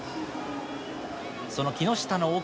その木下の奥